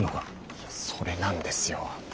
いやそれなんですよ。